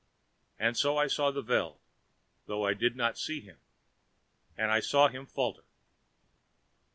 And so I saw the Veld, though I did not see him, and I saw him falter.